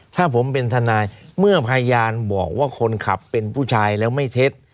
ถ้าผมเป็นทนายเมื่อพยานบอกว่าคนขับเป็นผู้ชายแล้วไม่เท็จ